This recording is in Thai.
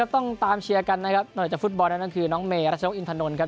ต้องตามเชียร์กันนะครับนอกจากฟุตบอลนั้นก็คือน้องเมรัชนกอินทนนท์ครับ